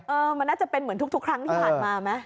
มันน่าจะเป็นเหมือนทุกครั้งที่ผ่านมาไหม